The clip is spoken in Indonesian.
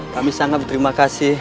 kami sangat berterima kasih